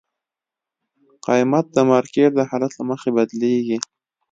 قیمت د مارکیټ د حالت له مخې بدلېږي.